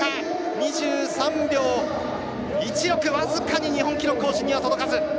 ２３秒１６、僅かに日本記録更新には届かず。